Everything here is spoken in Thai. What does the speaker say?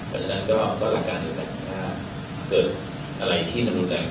เพราะฉะนั้นก็มันกล้าละกันว่าถ้าเกิดอะไรที่มันดูแปลง